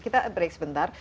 kita break sebentar